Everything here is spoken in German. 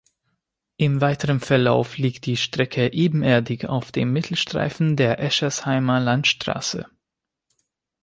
Im weiteren Verlauf liegt die Strecke ebenerdig auf dem Mittelstreifen der Eschersheimer Landstraße.